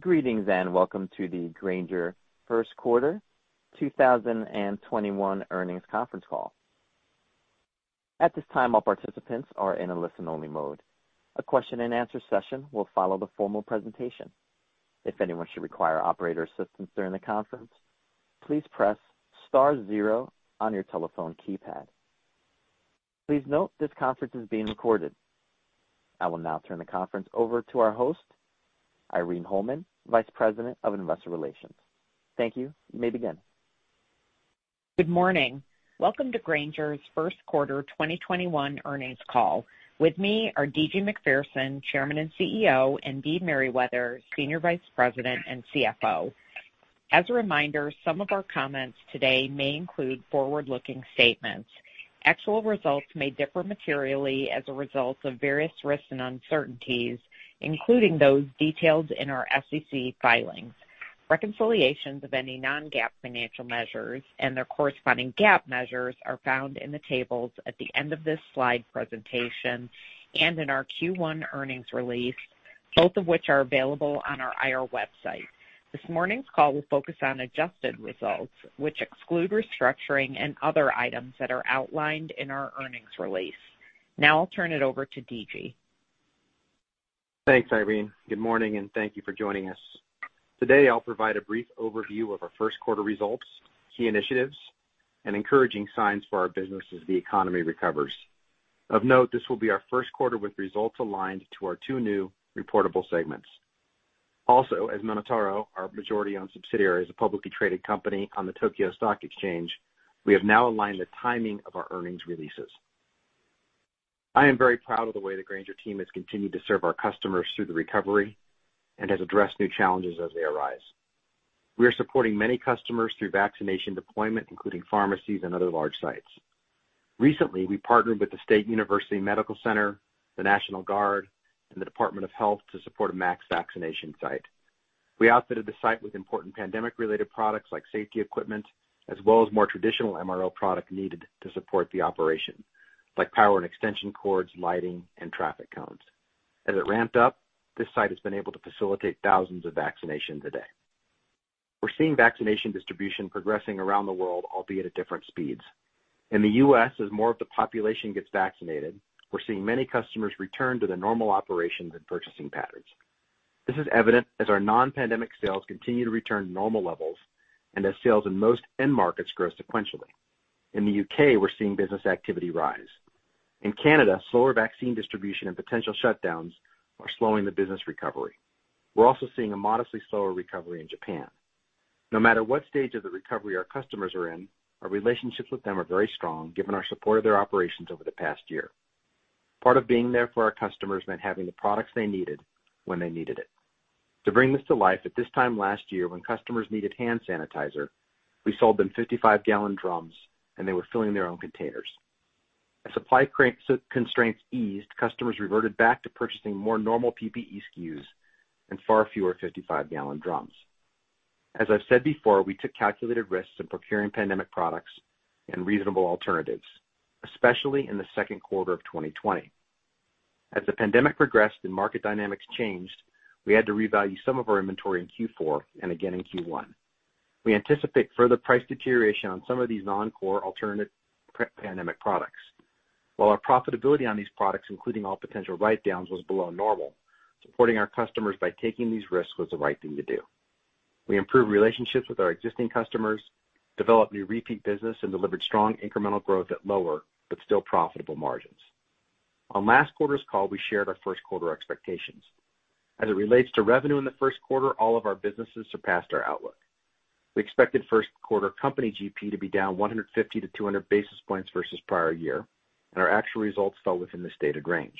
Greetings, and welcome to the Grainger first quarter 2021 earnings conference call. I will now turn the conference over to our host, Irene Holman, Vice President of Investor Relations. Thank you. You may begin. Good morning. Welcome to Grainger's first quarter 2021 earnings call. With me are DG Macpherson, Chairman and CEO, and Dee Merriwether, Senior Vice President and CFO. As a reminder, some of our comments today may include forward-looking statements. Actual results may differ materially as a result of various risks and uncertainties, including those detailed in our SEC filings. Reconciliations of any non-GAAP financial measures and their corresponding GAAP measures are found in the tables at the end of this slide presentation and in our Q1 earnings release, both of which are available on our IR website. This morning's call will focus on adjusted results, which exclude restructuring and other items that are outlined in our earnings release. Now I'll turn it over to DG. Thanks, Irene. Good morning. Thank you for joining us. Today, I'll provide a brief overview of our first quarter results, key initiatives, and encouraging signs for our business as the economy recovers. Of note, this will be our first quarter with results aligned to our two new reportable segments. As MonotaRO, our majority-owned subsidiary, is a publicly traded company on the Tokyo Stock Exchange, we have now aligned the timing of our earnings releases. I am very proud of the way the Grainger team has continued to serve our customers through the recovery and has addressed new challenges as they arise. We are supporting many customers through vaccination deployment, including pharmacies and other large sites. Recently, we partnered with the State University Medical Center, the National Guard, and the Department of Health to support a mass vaccination site. We outfitted the site with important pandemic-related products like safety equipment, as well as more traditional MRO product needed to support the operation, like power and extension cords, lighting, and traffic cones. As it ramped up, this site has been able to facilitate thousands of vaccinations a day. We're seeing vaccination distribution progressing around the world, albeit at different speeds. In the U.S., as more of the population gets vaccinated, we're seeing many customers return to their normal operations and purchasing patterns. This is evident as our non-pandemic sales continue to return to normal levels and as sales in most end markets grow sequentially. In the U.K., we're seeing business activity rise. In Canada, slower vaccine distribution and potential shutdowns are slowing the business recovery. We're also seeing a modestly slower recovery in Japan. No matter what stage of the recovery our customers are in, our relationships with them are very strong, given our support of their operations over the past year. Part of being there for our customers meant having the products they needed when they needed it. To bring this to life, at this time last year, when customers needed hand sanitizer, we sold them 55-gallon drums, and they were filling their own containers. As supply constraints eased, customers reverted back to purchasing more normal PPE SKUs and far fewer 55-gallon drums. As I've said before, we took calculated risks in procuring pandemic products and reasonable alternatives, especially in the second quarter of 2020. As the pandemic progressed and market dynamics changed, we had to revalue some of our inventory in Q4 and again in Q1. We anticipate further price deterioration on some of these non-core alternative pandemic products. While our profitability on these products, including all potential write-downs, was below normal, supporting our customers by taking these risks was the right thing to do. We improved relationships with our existing customers, developed new repeat business, and delivered strong incremental growth at lower, but still profitable margins. On last quarter's call, we shared our first quarter expectations. As it relates to revenue in the first quarter, all of our businesses surpassed our outlook. We expected first quarter company GP to be down 150 basis points-200 basis points versus prior year, and our actual results fell within the stated range.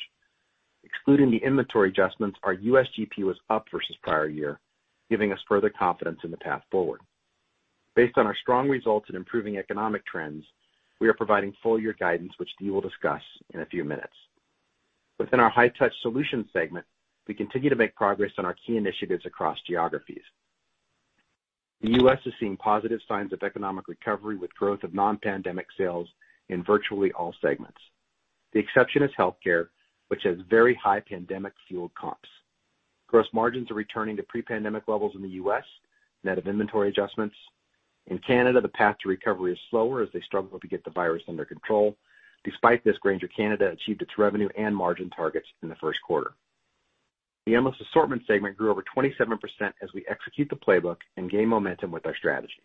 Excluding the inventory adjustments, our U.S. GP was up versus prior year, giving us further confidence in the path forward. Based on our strong results and improving economic trends, we are providing full year guidance, which Dee will discuss in a few minutes. Within our High-Touch Solutions segment, we continue to make progress on our key initiatives across geographies. The U.S. is seeing positive signs of economic recovery with growth of non-pandemic sales in virtually all segments. The exception is healthcare, which has very high pandemic-fueled comps. Gross margins are returning to pre-pandemic levels in the U.S., net of inventory adjustments. In Canada, the path to recovery is slower as they struggle to get the virus under control. Despite this, Grainger Canada achieved its revenue and margin targets in the first quarter. The Endless Assortment segment grew over 27% as we execute the playbook and gain momentum with our strategy.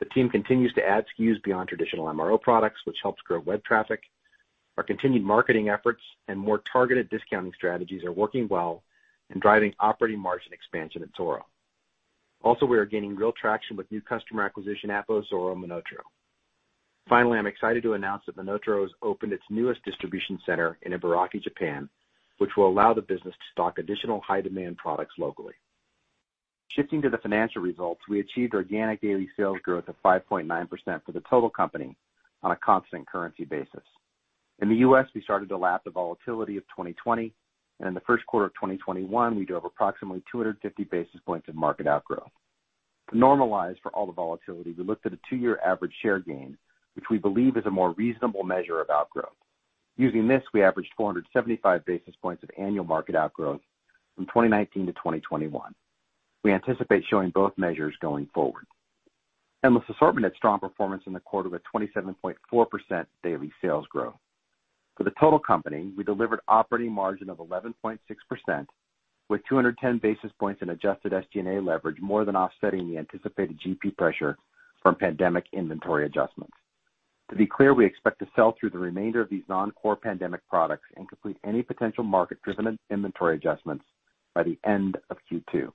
The team continues to add SKUs beyond traditional MRO products, which helps grow web traffic. Our continued marketing efforts and more targeted discounting strategies are working well and driving operating margin expansion at Zoro. We are gaining real traction with new customer acquisition at both Zoro and MonotaRO. I'm excited to announce that MonotaRO has opened its newest distribution center in Ibaraki, Japan, which will allow the business to stock additional high-demand products locally. Shifting to the financial results, we achieved organic daily sales growth of 5.9% for the total company on a constant currency basis. In the U.S., we started to lap the volatility of 2020, and in the first quarter of 2021, we drove approximately 250 basis points of market outgrow. To normalize for all the volatility, we looked at a two-year average share gain, which we believe is a more reasonable measure of outgrowth. Using this, we averaged 475 basis points of annual market outgrow from 2019 to 2021. We anticipate showing both measures going forward. Endless Assortment had strong performance in the quarter with 27.4% daily sales growth. For the total company, we delivered operating margin of 11.6% with 210 basis points in adjusted SG&A leverage, more than offsetting the anticipated GP pressure from pandemic inventory adjustments. To be clear, we expect to sell through the remainder of these non-core pandemic products and complete any potential market-driven inventory adjustments by the end of Q2.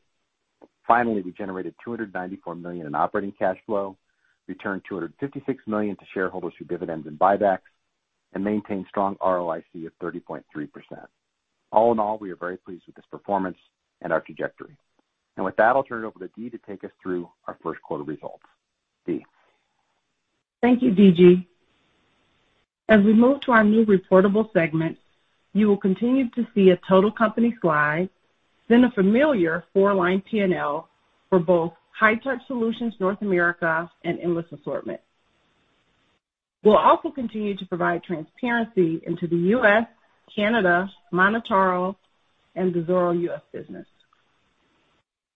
Finally, we generated $294 million in operating cash flow, returned $256 million to shareholders through dividends and buybacks, and maintained strong ROIC of 30.3%. All in all, we are very pleased with this performance and our trajectory. With that, I'll turn it over to Dee to take us through our first quarter results. Dee. Thank you, DG As we move to our new reportable segments, you will continue to see a total company slide, then a familiar four-line P&L for both High-Touch Solutions North America and Endless Assortment. We'll also continue to provide transparency into the U.S., Canada, MonotaRO, and the Zoro U.S. business.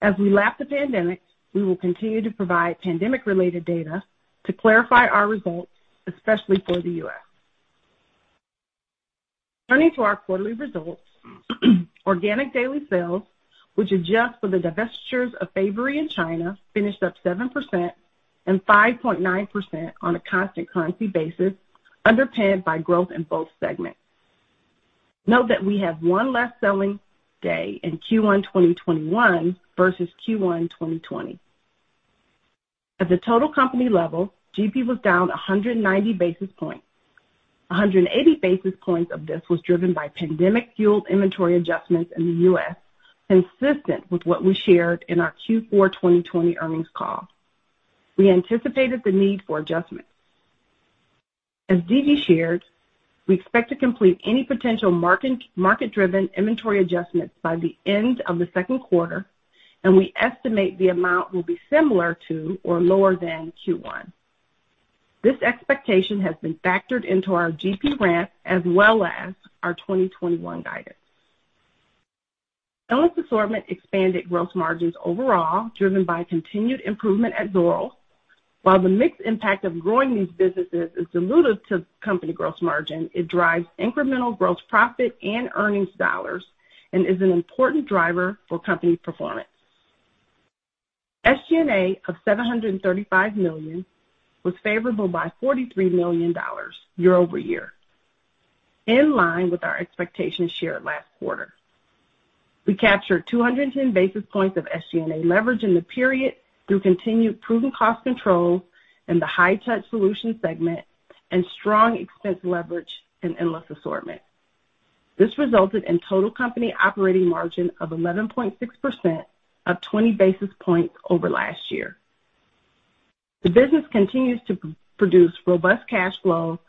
As we lap the pandemic, we will continue to provide pandemic-related data to clarify our results, especially for the U.S. Turning to our quarterly results, organic daily sales, which adjust for the divestitures of Fabory in China, finished up 7% and 5.9% on a constant currency basis, underpinned by growth in both segments. Note that we have one less selling day in Q1 2021 versus Q1 2020. At the total company level, GP was down 190 basis points. 180 basis points of this was driven by pandemic-fueled inventory adjustments in the U.S., consistent with what we shared in our Q4 2020 earnings call. We anticipated the need for adjustments. As DG shared, we expect to complete any potential market-driven inventory adjustments by the end of the second quarter, and we estimate the amount will be similar to or lower than Q1. This expectation has been factored into our GP ramp as well as our 2021 guidance. Endless Assortment expanded gross margins overall, driven by continued improvement at MonotaRO. While the mixed impact of growing these businesses is dilutive to company gross margin, it drives incremental gross profit and earnings dollars and is an important driver for company performance. SG&A of $735 million was favorable by $43 million year-over-year, in line with our expectations shared last quarter. We captured 210 basis points of SG&A leverage in the period through continued proven cost control in the High-Touch Solutions segment and strong expense leverage in Endless Assortment. This resulted in total company operating margin of 11.6%, up 20 basis points over last year. The business continues to produce robust cash flow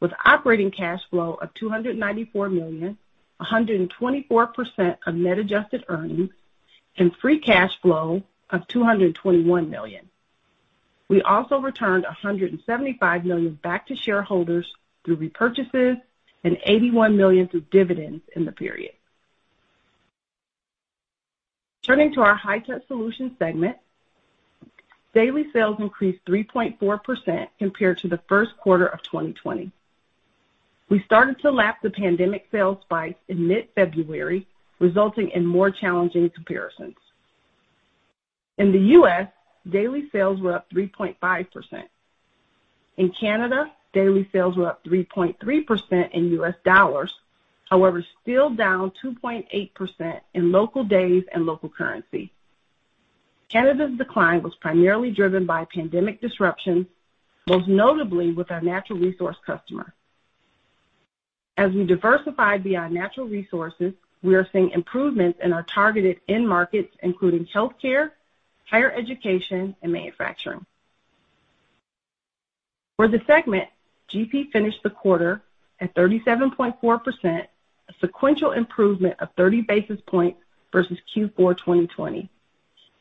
with operating cash flow of $294 million, 124% of net adjusted earnings, and free cash flow of $221 million. We also returned $175 million back to shareholders through repurchases and $81 million through dividends in the period. Turning to our High-Touch Solutions segment, daily sales increased 3.4% compared to the first quarter of 2020. We started to lap the pandemic sales spike in mid-February, resulting in more challenging comparisons. In the U.S., daily sales were up 3.5%. In Canada, daily sales were up 3.3% in U.S. dollars, however, still down 2.8% in local days and local currency. Canada's decline was primarily driven by pandemic disruption, most notably with our natural resource customer. As we diversify beyond natural resources, we are seeing improvements in our targeted end markets, including healthcare, higher education, and manufacturing. For the segment, GP finished the quarter at 37.4%, a sequential improvement of 30 basis points versus Q4 2020,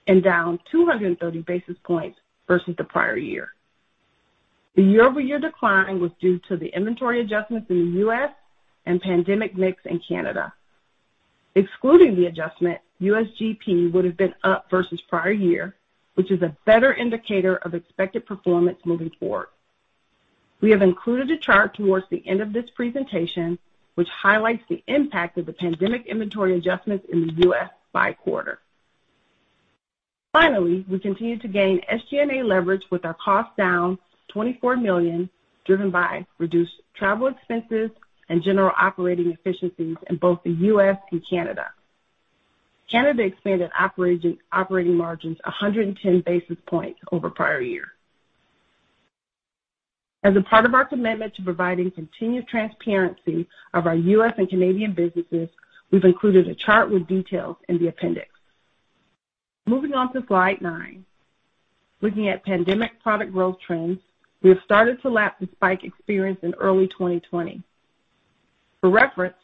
and down 230 basis points versus the prior year. The year-over-year decline was due to the inventory adjustments in the U.S. and pandemic mix in Canada. Excluding the adjustment, U.S. GP would've been up versus prior year, which is a better indicator of expected performance moving forward. We have included a chart towards the end of this presentation, which highlights the impact of the pandemic inventory adjustments in the U.S. by quarter. Finally, we continue to gain SG&A leverage with our costs down $24 million, driven by reduced travel expenses and general operating efficiencies in both the U.S. and Canada. Canada expanded operating margins 110 basis points over prior year. As a part of our commitment to providing continued transparency of our U.S. and Canadian businesses, we've included a chart with details in the appendix. Moving on to slide nine. Looking at pandemic product growth trends, we have started to lap the spike experienced in early 2020. For reference,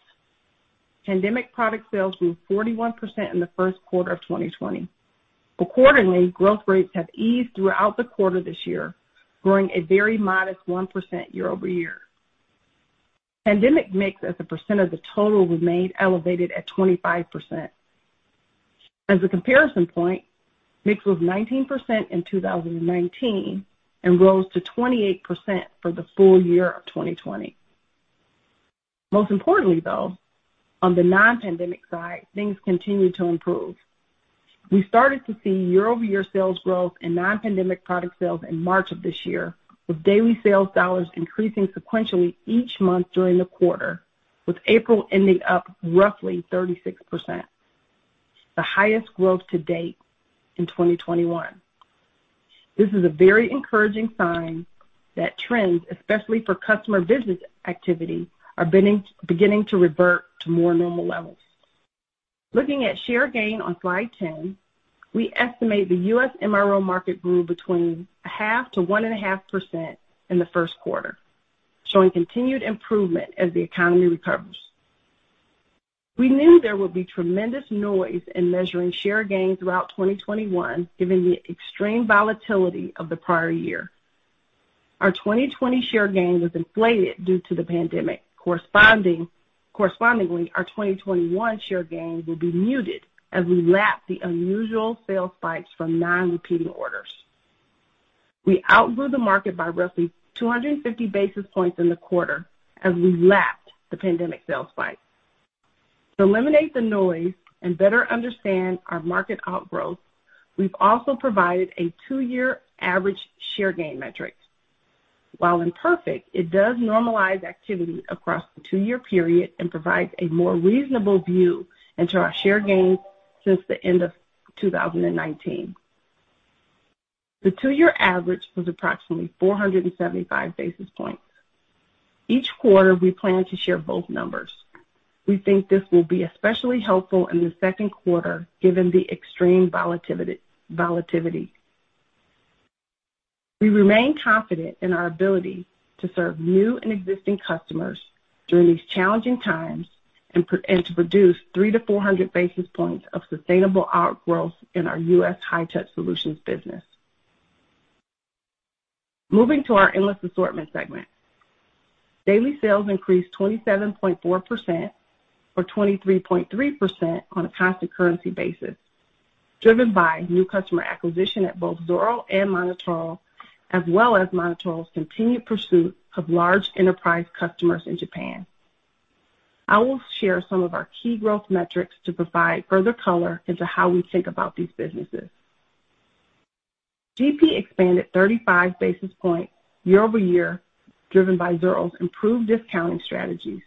pandemic product sales grew 41% in the first quarter of 2020. Accordingly, growth rates have eased throughout the quarter this year, growing a very modest 1% year-over-year. Pandemic mix as a percent of the total remained elevated at 25%. As a comparison point, mix was 19% in 2019 and rose to 28% for the full year of 2020. Most importantly, though, on the non-pandemic side, things continued to improve. We started to see year-over-year sales growth in non-pandemic product sales in March of this year, with daily sales dollars increasing sequentially each month during the quarter, with April ending up roughly 36%, the highest growth to date in 2021. This is a very encouraging sign that trends, especially for customer business activity, are beginning to revert to more normal levels. Looking at share gain on slide 10, we estimate the U.S. MRO market grew between 0.5%-1.5% in the first quarter, showing continued improvement as the economy recovers. We knew there would be tremendous noise in measuring share gain throughout 2021, given the extreme volatility of the prior year. Our 2020 share gain was inflated due to the pandemic. Correspondingly, our 2021 share gain will be muted as we lap the unusual sales spikes from non-repeating orders. We outgrew the market by roughly 250 basis points in the quarter as we lapped the pandemic sales spike. To eliminate the noise and better understand our market outgrowths, we've also provided a two-year average share gain metric. While imperfect, it does normalize activity across the two-year period and provides a more reasonable view into our share gains since the end of 2019. The two-year average was approximately 475 basis points. Each quarter, we plan to share both numbers. We think this will be especially helpful in the second quarter, given the extreme volatility. We remain confident in our ability to serve new and existing customers during these challenging times and to produce 300-400 basis points of sustainable outgrowths in our U.S. High-Touch Solutions business. Moving to our Endless Assortment segment. Daily sales increased 27.4%, or 23.3% on a constant currency basis, driven by new customer acquisition at both Zoro and MonotaRO, as well as MonotaRO's continued pursuit of large enterprise customers in Japan. I will share some of our key growth metrics to provide further color into how we think about these businesses. GP expanded 35 basis points year-over-year, driven by Zoro's improved discounting strategies.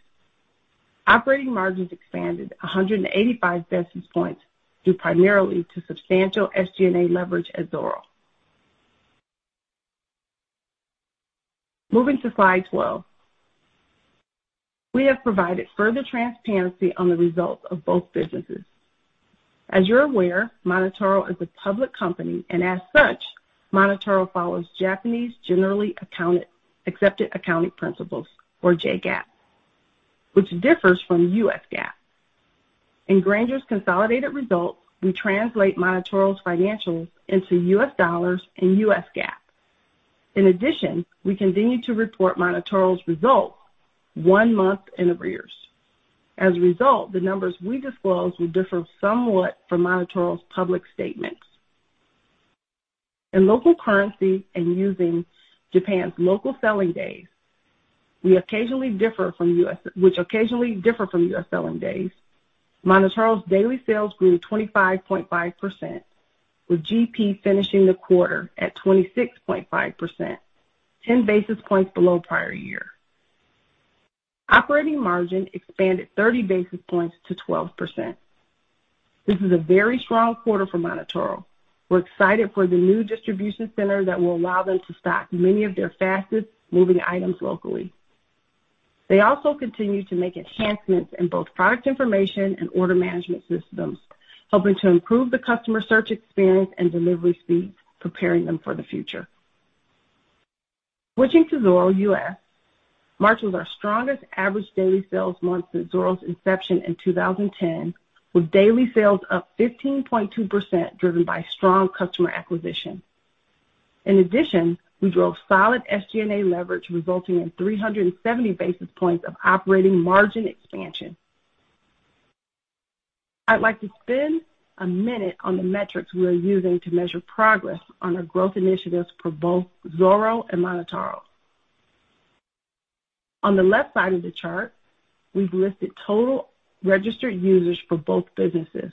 Operating margins expanded 185 basis points, due primarily to substantial SG&A leverage at Zoro. Moving to slide 12. We have provided further transparency on the results of both businesses. As you're aware, MonotaRO is a public company, and as such, MonotaRO follows Japanese generally accepted accounting principles, or J-GAAP, which differs from U.S. GAAP. In Grainger's consolidated results, we translate MonotaRO's financials into U.S. dollars and U.S. GAAP. In addition, we continue to report MonotaRO's results one month in arrears. As a result, the numbers we disclose will differ somewhat from MonotaRO's public statements. In local currency and using Japan's local selling days, which occasionally differ from U.S. selling days, MonotaRO's daily sales grew 25.5%, with GP finishing the quarter at 26.5%, 10 basis points below prior year. Operating margin expanded 30 basis points to 12%. This is a very strong quarter for MonotaRO. We're excited for the new distribution center that will allow them to stock many of their fastest-moving items locally. They also continue to make enhancements in both product information and order management systems, helping to improve the customer search experience and delivery speed, preparing them for the future. Switching to Zoro U.S., March was our strongest average daily sales month since Zoro's inception in 2010, with daily sales up 15.2%, driven by strong customer acquisition. In addition, we drove solid SG&A leverage, resulting in 370 basis points of operating margin expansion. I'd like to spend a minute on the metrics we are using to measure progress on our growth initiatives for both Zoro and MonotaRO. On the left side of the chart, we've listed total registered users for both businesses.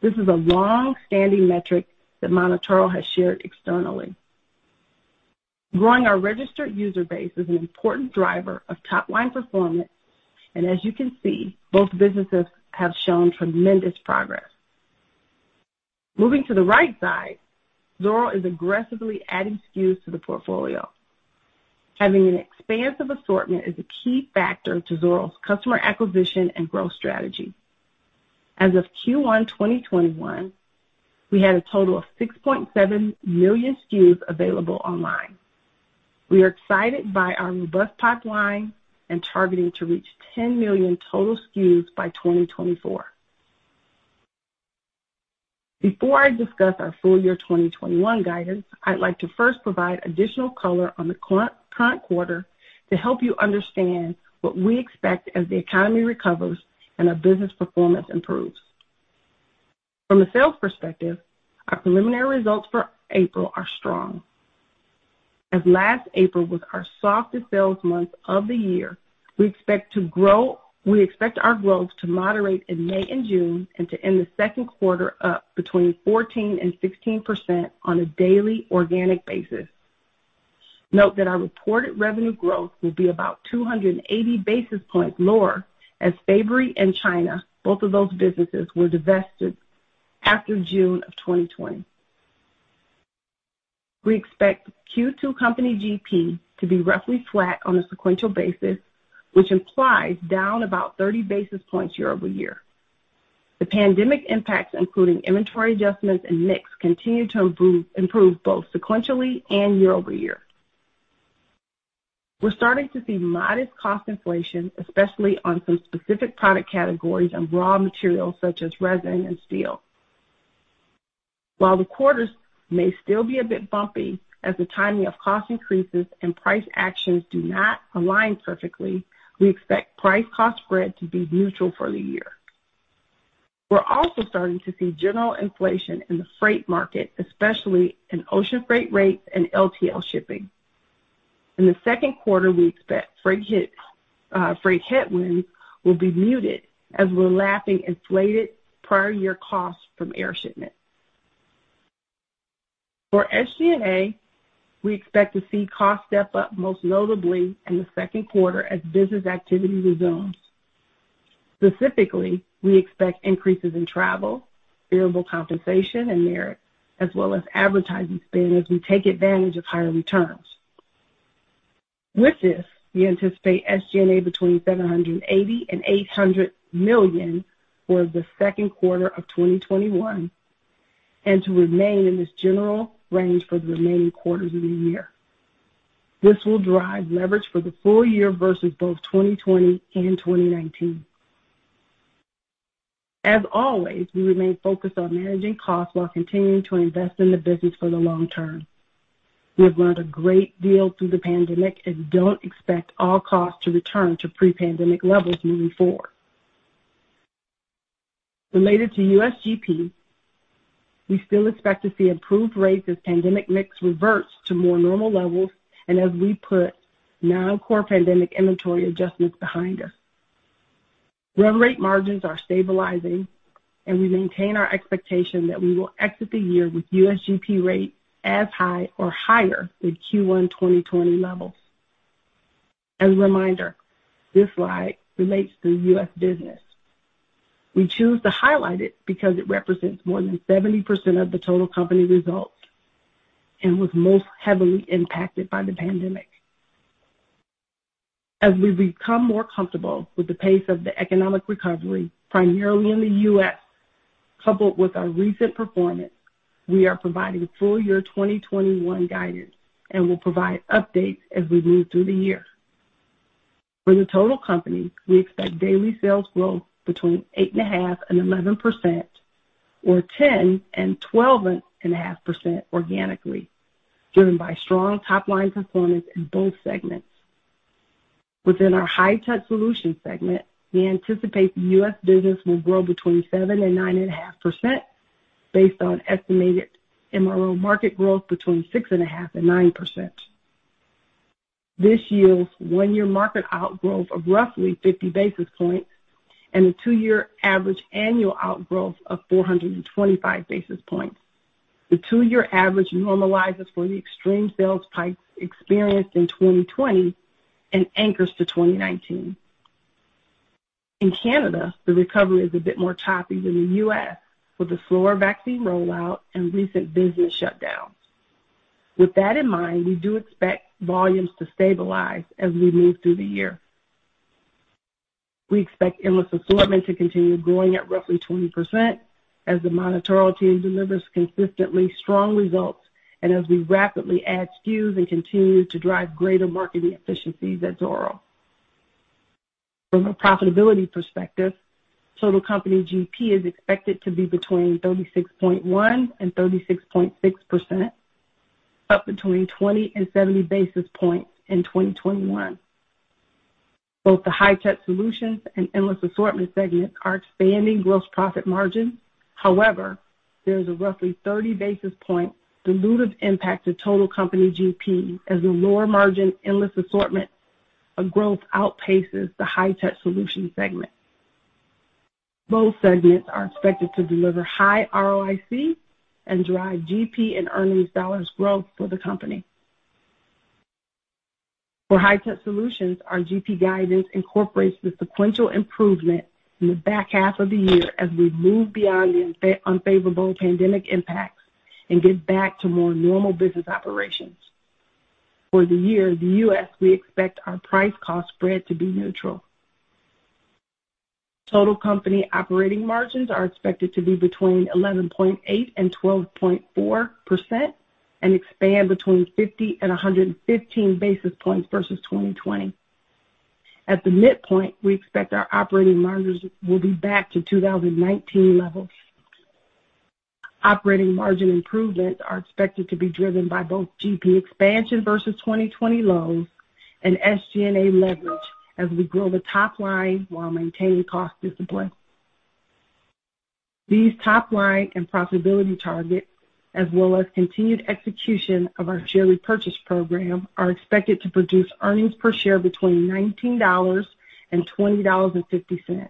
This is a long-standing metric that MonotaRO has shared externally. Growing our registered user base is an important driver of top-line performance, and as you can see, both businesses have shown tremendous progress. Moving to the right side, Zoro is aggressively adding SKUs to the portfolio. Having an expansive assortment is a key factor to Zoro's customer acquisition and growth strategy. As of Q1 2021, we had a total of 6.7 million SKUs available online. We are excited by our robust pipeline and targeting to reach 10 million total SKUs by 2024. Before I discuss our full year 2021 guidance, I'd like to first provide additional color on the current quarter to help you understand what we expect as the economy recovers and our business performance improves. From a sales perspective, our preliminary results for April are strong. As last April was our softest sales month of the year, we expect our growth to moderate in May and June and to end the second quarter up between 14% and 16% on a daily organic basis. Note that our reported revenue growth will be about 280 basis points lower as Fabory and China, both of those businesses, were divested after June of 2020. We expect Q2 company GP to be roughly flat on a sequential basis, which implies down about 30 basis points year-over-year. The pandemic impacts, including inventory adjustments and mix, continue to improve both sequentially and year-over-year. We're starting to see modest cost inflation, especially on some specific product categories and raw materials such as resin and steel. While the quarters may still be a bit bumpy as the timing of cost increases and price actions do not align perfectly, we expect price cost spread to be neutral for the year. We're also starting to see general inflation in the freight market, especially in ocean freight rates and LTL shipping. In the second quarter, we expect freight headwinds will be muted as we're lapping inflated prior year costs from air shipments. For SG&A, we expect to see costs step up, most notably in the second quarter as business activity resumes. Specifically, we expect increases in travel, variable compensation, and merit, as well as advertising spend as we take advantage of higher returns. With this, we anticipate SG&A between $780 million and $800 million for the second quarter of 2021, and to remain in this general range for the remaining quarters of the year. This will drive leverage for the full year versus both 2020 and 2019. As always, we remain focused on managing costs while continuing to invest in the business for the long term. We have learned a great deal through the pandemic and don't expect all costs to return to pre-pandemic levels moving forward. Related to U.S. GP, we still expect to see improved rates as pandemic mix reverts to more normal levels and as we put non-core pandemic inventory adjustments behind us. Rev rate margins are stabilizing, and we maintain our expectation that we will exit the year with U.S. GP rates as high or higher than Q1 2020 levels. As a reminder, this slide relates to U.S. business. We choose to highlight it because it represents more than 70% of the total company results and was most heavily impacted by the pandemic. As we become more comfortable with the pace of the economic recovery, primarily in the U.S., coupled with our recent performance, we are providing full year 2021 guidance and will provide updates as we move through the year. For the total company, we expect daily sales growth between 8.5%-11%, or 10%-12.5% organically, driven by strong top-line performance in both segments. Within our High-Touch Solutions segment, we anticipate the U.S. business will grow between 7%-9.5%, based on estimated MRO market growth between 6.5%-9%. This yields one year market outgrowth of roughly 50 basis points and a two-year average annual outgrowth of 425 basis points. The two-year average normalizes for the extreme sales types experienced in 2020 and anchors to 2019. In Canada, the recovery is a bit more choppy than the U.S., with a slower vaccine rollout and recent business shutdowns. With that in mind, we do expect volumes to stabilize as we move through the year. We expect Endless Assortment to continue growing at roughly 20% as the MonotaRO team delivers consistently strong results and as we rapidly add SKUs and continue to drive greater marketing efficiencies at Zoro. From a profitability perspective, total company GP is expected to be between 36.1% and 36.6%, up between 20 and 70 basis points in 2021. Both the High-Touch Solutions and Endless Assortment segments are expanding gross profit margin. However, there is a roughly 30 basis point dilutive impact to total company GP as the lower margin Endless Assortment of growth outpaces the High-Touch Solutions segment. Both segments are expected to deliver high ROIC and drive GP and earnings dollars growth for the company. For High-Touch Solutions, our GP guidance incorporates the sequential improvement in the back half of the year as we move beyond the unfavorable pandemic impacts and get back to more normal business operations. For the year in the U.S., we expect our price cost spread to be neutral. Total company operating margins are expected to be between 11.8% and 12.4% and expand between 50 and 115 basis points versus 2020. At the midpoint, we expect our operating margins will be back to 2019 levels. Operating margin improvements are expected to be driven by both GP expansion versus 2020 lows and SG&A leverage as we grow the top line while maintaining cost discipline. These top-line and profitability targets, as well as continued execution of our share repurchase program, are expected to produce earnings per share between $19 and $20.50.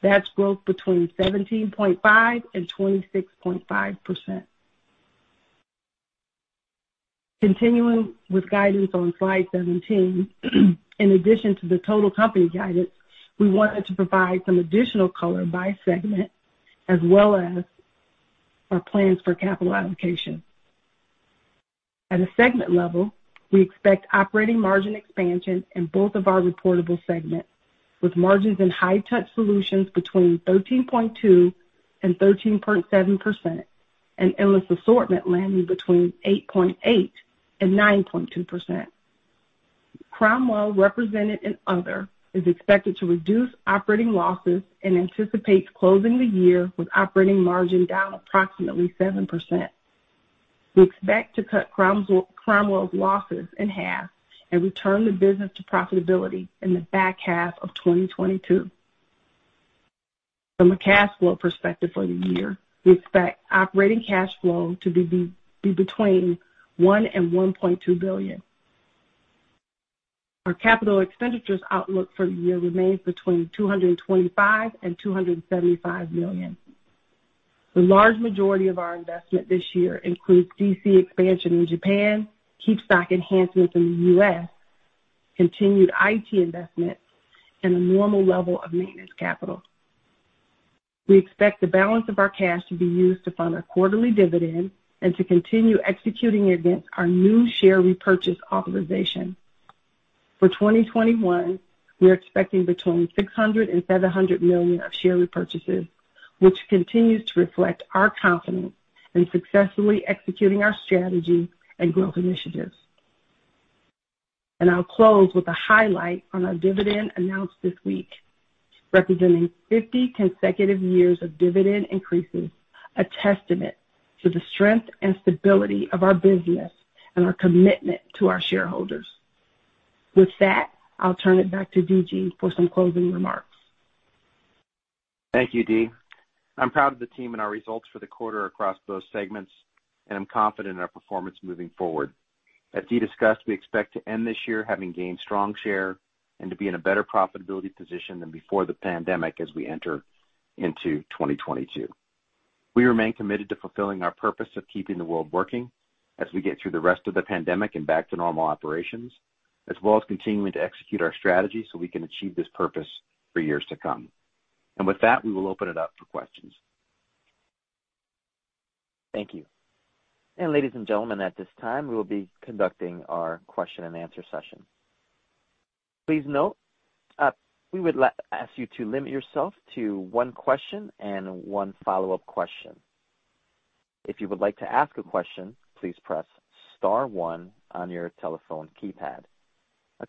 That's growth between 17.5% and 26.5%. Continuing with guidance on slide 17, in addition to the total company guidance, we wanted to provide some additional color by segment, as well as our plans for capital allocation. At a segment level, we expect operating margin expansion in both of our reportable segments, with margins in High-Touch Solutions between 13.2% and 13.7%, and Endless Assortment landing between 8.8% and 9.2%. Cromwell, represented in other, is expected to reduce operating losses and anticipates closing the year with operating margin down approximately 7%. We expect to cut Cromwell's losses in half and return the business to profitability in the back half of 2022. From a cash flow perspective for the year, we expect operating cash flow to be between $1 billion and $1.2 billion. Our capital expenditures outlook for the year remains between $225 million and $275 million. The large majority of our investment this year includes D.C. expansion in Japan, KeepStock enhancements in the U.S., continued IT investment, and a normal level of maintenance capital. We expect the balance of our cash to be used to fund our quarterly dividend and to continue executing against our new share repurchase authorization. For 2021, we are expecting between $600 million and $700 million of share repurchases, which continues to reflect our confidence in successfully executing our strategy and growth initiatives. I'll close with a highlight on our dividend announced this week, representing 50 consecutive years of dividend increases, a testament to the strength and stability of our business and our commitment to our shareholders. With that, I'll turn it back to DG for some closing remarks. Thank you, Dee. I'm proud of the team and our results for the quarter across both segments, and I'm confident in our performance moving forward. As Dee discussed, we expect to end this year having gained strong share and to be in a better profitability position than before the pandemic as we enter into 2022. We remain committed to fulfilling our purpose of keeping the world working as we get through the rest of the pandemic and back to normal operations, as well as continuing to execute our strategy so we can achieve this purpose for years to come. With that, we will open it up for questions. Thank you. Our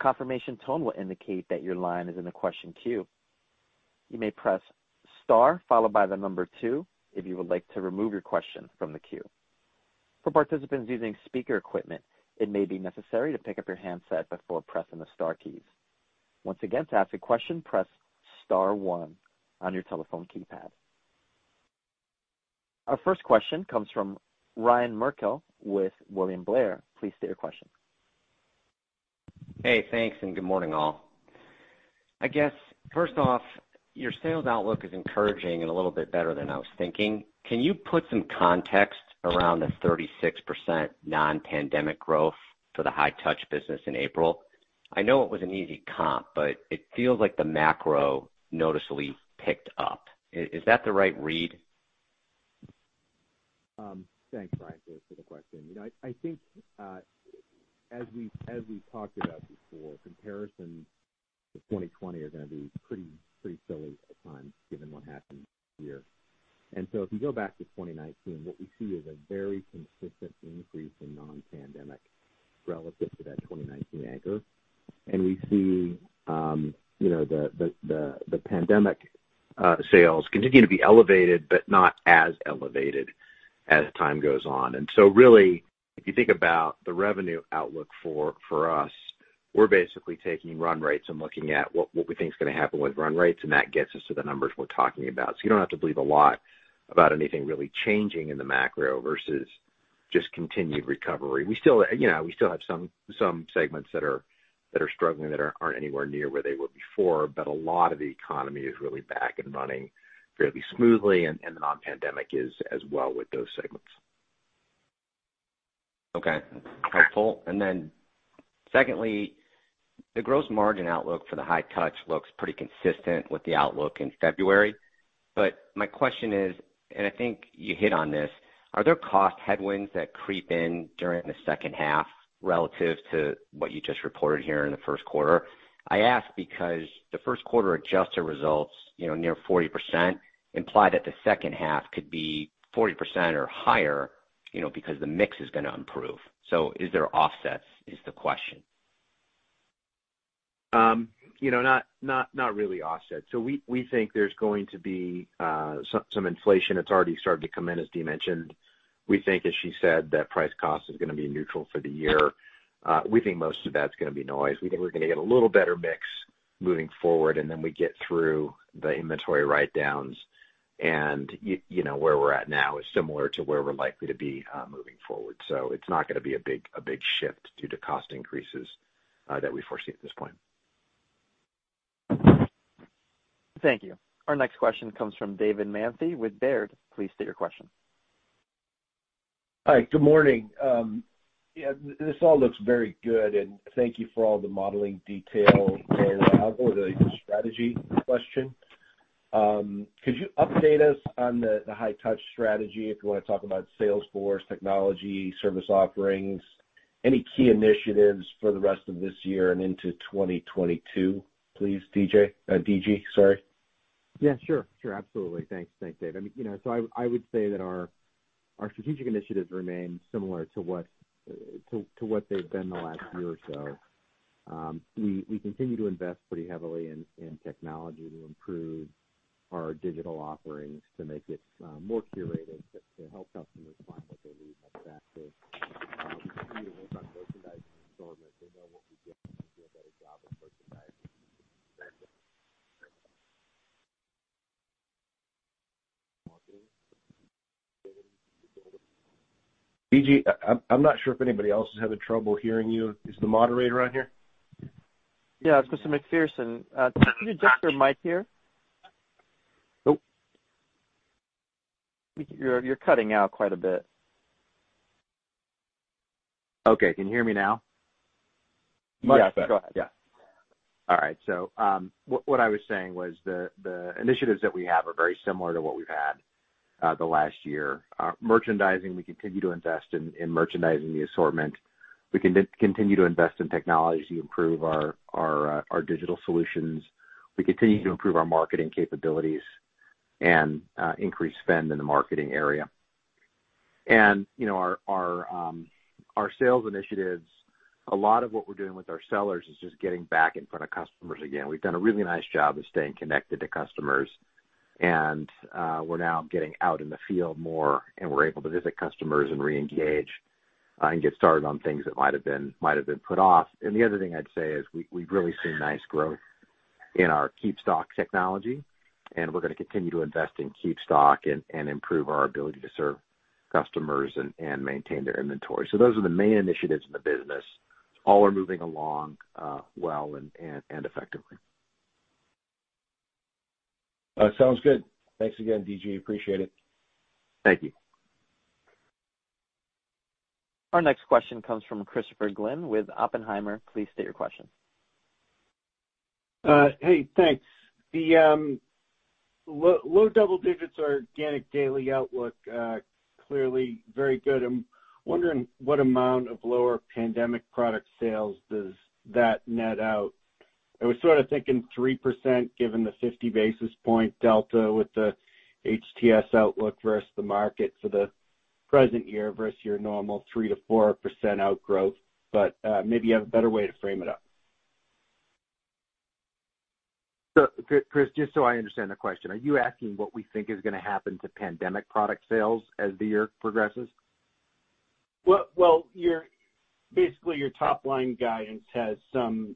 first question comes from Ryan Merkel with William Blair. Please state your question. Hey, thanks, and good morning, all. I guess, first off, your sales outlook is encouraging and a little bit better than I was thinking. Can you put some context around the 36% non-pandemic growth for the High-Touch business in April? I know it was an easy comp, but it feels like the macro noticeably picked up. Is that the right read? Thanks, Ryan, for the question. I think as we talked about before, comparisons to 2020 are going to be pretty silly at times given what happened that year. If you go back to 2019, what we see is a very consistent increase in non-pandemic relative to that 2019 anchor. We see the pandemic sales continuing to be elevated but not as elevated as time goes on. Really, if you think about the revenue outlook for us, we're basically taking run rates and looking at what we think is going to happen with run rates, and that gets us to the numbers we're talking about. You don't have to believe a lot about anything really changing in the macro versus just continued recovery. We still have some segments that are struggling that aren't anywhere near where they were before, but a lot of the economy is really back and running fairly smoothly, and the non-pandemic is as well with those segments. Okay. Helpful. Then secondly, the gross margin outlook for the High-Touch Solutions looks pretty consistent with the outlook in February. My question is, and I think you hit on this, are there cost headwinds that creep in during the second half relative to what you just reported here in the first quarter? I ask because the first quarter adjusted results, near 40%, imply that the second half could be 40% or higher, because the mix is going to improve. Is there offsets is the question. Not really offset. We think there's going to be some inflation. It's already started to come in, as Dee mentioned. We think, as she said, that price cost is going to be neutral for the year. We think most of that's going to be noise. We think we're going to get a little better mix moving forward, and then we get through the inventory write-downs. Where we're at now is similar to where we're likely to be moving forward. It's not going to be a big shift due to cost increases that we foresee at this point. Thank you. Our next question comes from David Manthey with Baird. Please state your question. Hi. Good morning. Yeah, this all looks very good, and thank you for all the modeling detail. I'll go with a strategy question. Could you update us on the High-Touch strategy? If you want to talk about sales force, technology, service offerings, any key initiatives for the rest of this year and into 2022, please, DG DG, sorry. Yeah, sure. Absolutely. Thanks, Dave. I would say that our strategic initiatives remain similar to what they've been the last year or so. We continue to invest pretty heavily in technology to improve our digital offerings, to make it more curated, to help customers find what they need much faster. We continue to work on merchandising assortment. We know what we did, and do a better job of merchandising. DG, I'm not sure if anybody else is having trouble hearing you. Is the moderator on here? Yeah, Mr. Macpherson. Could you adjust your mic, please? Nope. You're cutting out quite a bit. Okay. Can you hear me now? Much better. Yeah. Go ahead. Yeah. All right. What I was saying was the initiatives that we have are very similar to what we've had the last year. Merchandising, we continue to invest in merchandising the assortment. We continue to invest in technology to improve our digital solutions. We continue to improve our marketing capabilities and increase spend in the marketing area. Our sales initiatives, a lot of what we're doing with our sellers is just getting back in front of customers again. We've done a really nice job of staying connected to customers, and we're now getting out in the field more, and we're able to visit customers and reengage and get started on things that might have been put off. The other thing I'd say is we've really seen nice growth in our KeepStock technology, and we're going to continue to invest in KeepStock and improve our ability to serve customers and maintain their inventory. Those are the main initiatives in the business. All are moving along well and effectively. Sounds good. Thanks again, DG Appreciate it. Thank you. Our next question comes from Christopher Glynn with Oppenheimer. Please state your question. Hey, thanks. The low double digits organic daily outlook, clearly very good. I am wondering what amount of lower pandemic product sales does that net out. I was sort of thinking 3%, given the 50 basis point delta with the HTS outlook versus the market for the present year versus your normal 3%-4% outgrowth. Maybe you have a better way to frame it up. Chris, just so I understand the question, are you asking what we think is going to happen to pandemic product sales as the year progresses? Well, basically your top-line guidance has some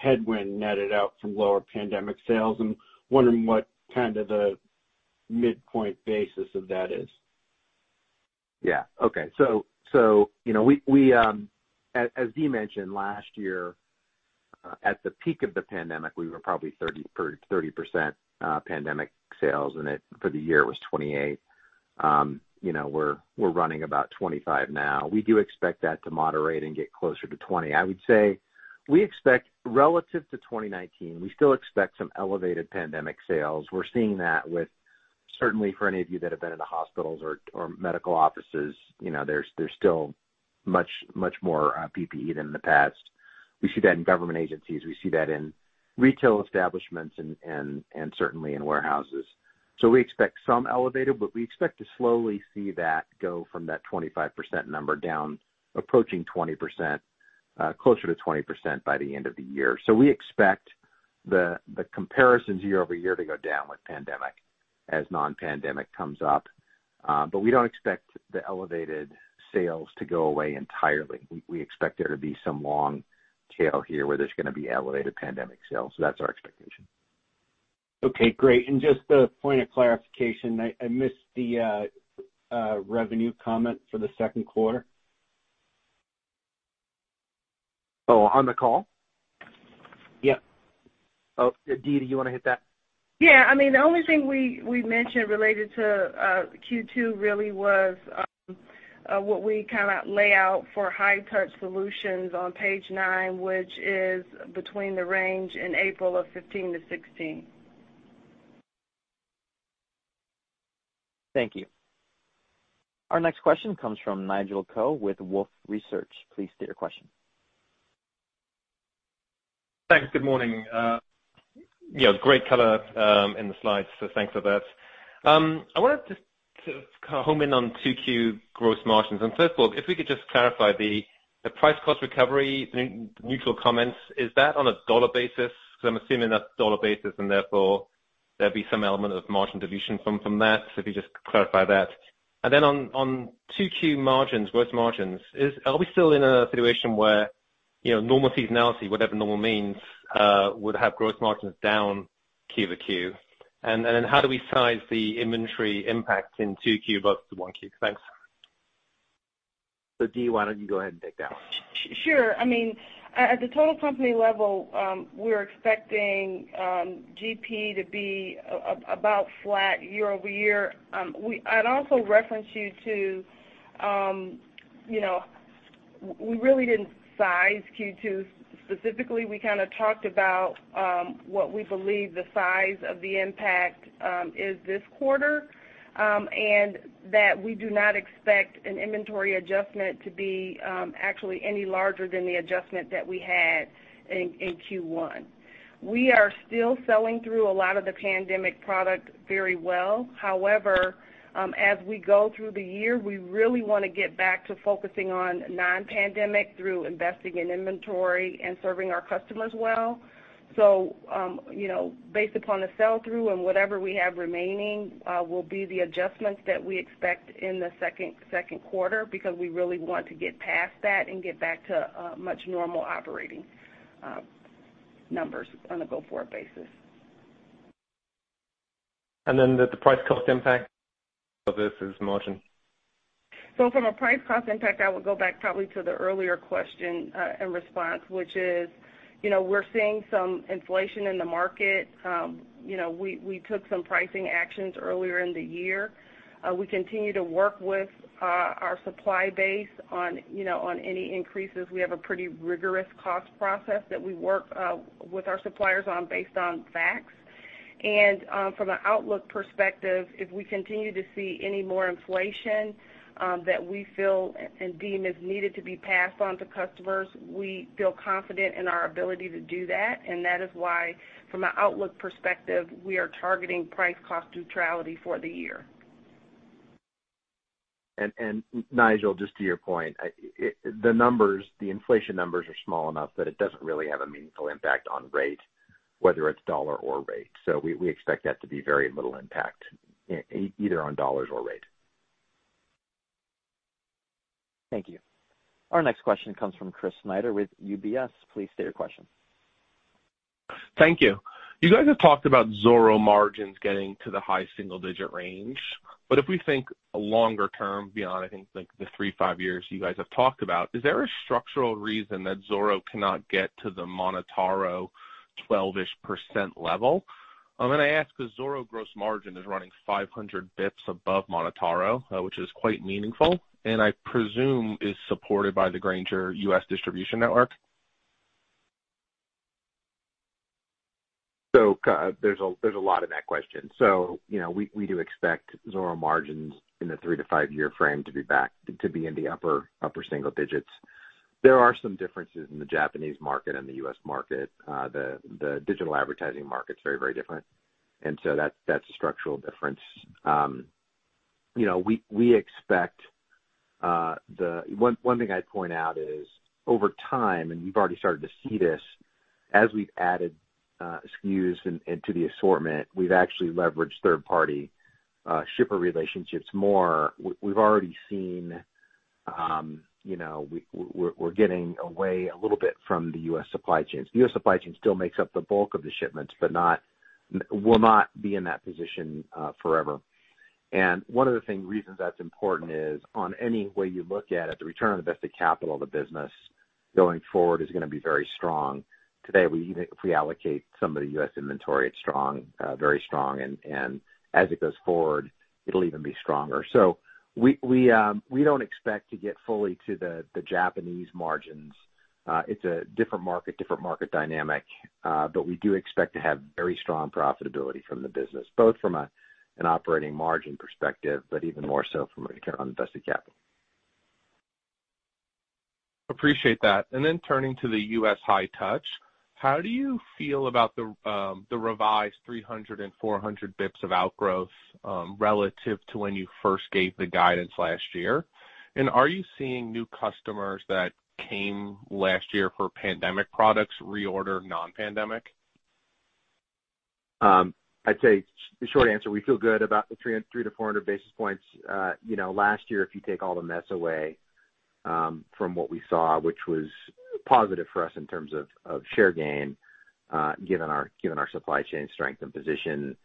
headwind netted out from lower pandemic sales. I'm wondering what kind of the midpoint basis of that is. Yeah. Okay. As Dee mentioned, last year, at the peak of the pandemic, we were probably 30% pandemic sales, and for the year it was 28%. We're running about 25% now. We do expect that to moderate and get closer to 20%. I would say, we expect relative to 2019, we still expect some elevated pandemic sales. We're seeing that with certainly for any of you that have been in the hospitals or medical offices, there's still much more PPE than in the past. We see that in government agencies. We see that in retail establishments and certainly in warehouses. We expect some elevated, but we expect to slowly see that go from that 25% number down approaching 20%, closer to 20% by the end of the year. We expect the comparisons year-over-year to go down with pandemic as non-pandemic comes up. We don't expect the elevated sales to go away entirely. We expect there to be some long tail here where there's going to be elevated pandemic sales. That's our expectation. Okay, great. Just a point of clarification, I missed the revenue comment for the second quarter. Oh, on the call? Yep. Oh, Dee, do you want to hit that? Yeah. The only thing we mentioned related to Q2 really was what we lay out for High-Touch Solutions on page nine, which is between the range in April of 15%-16%. Thank you. Our next question comes from Nigel Coe with Wolfe Research. Please state your question. Thanks. Good morning. Great color in the slides, so thanks for that. I wanted to just home in on 2Q gross margins. First of all, if we could just clarify the price cost recovery, neutral comments, is that on a dollar basis? Because I'm assuming that's dollar basis, and therefore there'd be some element of margin dilution from that. If you could just clarify that. Then on 2Q margins, gross margins, are we still in a situation where normal seasonality, whatever normal means, would have gross margins down Q-over-Q? Then how do we size the inventory impact in 2Q versus 1Q? Thanks. Dee, why don't you go ahead and take that one? Sure. At the total company level, we're expecting GP to be about flat year-over-year. I'd also reference you to, we really didn't size Q2 specifically. We kind of talked about what we believe the size of the impact is this quarter, and that we do not expect an inventory adjustment to be actually any larger than the adjustment that we had in Q1. We are still selling through a lot of the pandemic product very well. However, as we go through the year, we really want to get back to focusing on non-pandemic through investing in inventory and serving our customers well. Based upon the sell-through and whatever we have remaining, will be the adjustments that we expect in the second quarter, because we really want to get past that and get back to much normal operating numbers on a go-forward basis. The price cost impact of this is margin. From a price cost impact, I would go back probably to the earlier question and response, which is, we're seeing some inflation in the market. We took some pricing actions earlier in the year. We continue to work with our supply base on any increases. We have a pretty rigorous cost process that we work with our suppliers on based on facts. From an outlook perspective, if we continue to see any more inflation that we feel and deem is needed to be passed on to customers, we feel confident in our ability to do that, and that is why, from an outlook perspective, we are targeting price cost neutrality for the year. Nigel, just to your point, the inflation numbers are small enough that it doesn't really have a meaningful impact on rate, whether it's $ or rate. We expect that to be very little impact, either on $ or rate. Thank you. Our next question comes from Chris Snyder with UBS. Please state your question. Thank you. You guys have talked about Zoro margins getting to the high single-digit range. If we think longer term beyond, I think, the three to five years you guys have talked about, is there a structural reason that Zoro cannot get to the MonotaRO 12-ish% level? I'm going to ask because Zoro gross margin is running 500 bps above MonotaRO, which is quite meaningful, and I presume is supported by the Grainger U.S. distribution network. There's a lot in that question. We do expect Zoro margins in the three to five-year frame to be in the upper single digits. There are some differences in the Japanese market and the U.S. market. The digital advertising market's very different. That's a structural difference. One thing I'd point out is, over time, and we've already started to see this, as we've added SKUs into the assortment, we've actually leveraged third party shipper relationships more. We've already seen we're getting away a little bit from the U.S. supply chains. The U.S. supply chain still makes up the bulk of the shipments, but will not be in that position forever. One of the reasons that's important is on any way you look at it, the return on invested capital of the business going forward is going to be very strong. Today, even if we allocate some of the U.S. inventory, it's very strong, and as it goes forward, it'll even be stronger. We don't expect to get fully to the Japanese margins. It's a different market dynamic. We do expect to have very strong profitability from the business, both from an operating margin perspective, but even more so from a return on invested capital. Appreciate that. Then turning to the U.S. High-Touch, how do you feel about the revised 300-400 basis points of outgrowth, relative to when you first gave the guidance last year? Are you seeing new customers that came last year for pandemic products reorder non-pandemic? I'd say, short answer, we feel good about the 300 to 400 basis points. Last year, if you take all the mess away from what we saw, which was positive for us in terms of share gain, given our supply chain strength and position,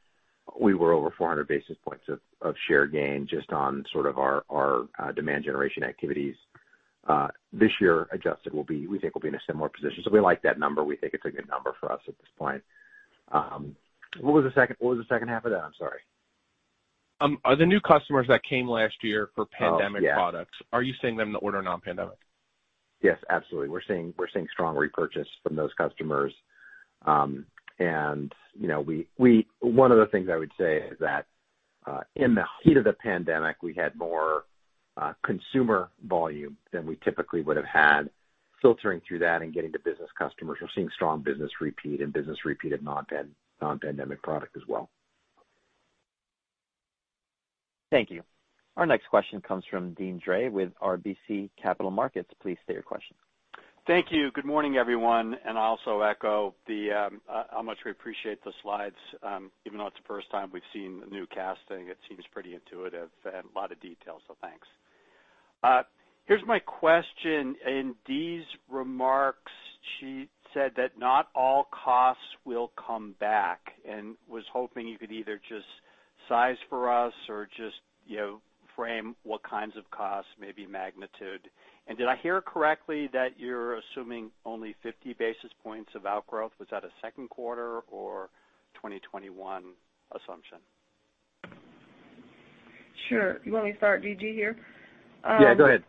we were over 400 basis points of share gain just on our demand generation activities. This year, adjusted will be, we think we'll be in a similar position. We like that number. We think it's a good number for us at this point. What was the second half of that? I'm sorry. Are the new customers that came last year for pandemic products? Oh, yeah. Are you seeing them order non-pandemic? Yes, absolutely. We're seeing strong repurchase from those customers. One of the things I would say is that, in the heat of the pandemic, we had more consumer volume than we typically would have had. Filtering through that and getting to business customers, we're seeing strong business repeat and business repeat of non-pandemic product as well. Thank you. Our next question comes from Deane Dray with RBC Capital Markets. Please state your question. Thank you. Good morning, everyone. I also echo how much we appreciate the slides. Even though it's the first time we've seen the new casting, it seems pretty intuitive and a lot of detail, so thanks. Here's my question. In Dee's remarks, she said that not all costs will come back and was hoping you could either just size for us or just frame what kinds of costs, maybe magnitude. Did I hear correctly that you're assuming only 50 basis points of outgrowth? Was that a second quarter or 2021 assumption? Sure. You want me to start, DG, here? Yeah, go ahead.